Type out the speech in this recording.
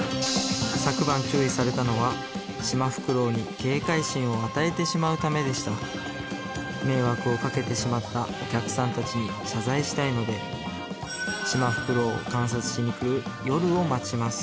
昨晩注意されたのはシマフクロウに警戒心を与えてしまうためでした迷惑をかけてしまったお客さんたちに謝罪したいのでシマフクロウを観察しに来る夜を待ちます